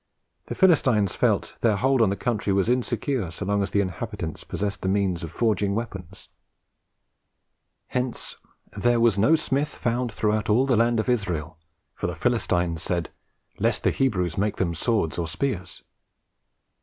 The Philistines felt that their hold of the country was insecure so long as the inhabitants possessed the means of forging weapons. Hence "there was no smith found throughout all the land of Israel; for the Philistines said, Lest the Hebrews make them swords or spears.